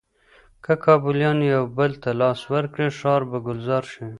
که کابليان یو بل ته لاس ورکړي، ښار به ګلزار شي.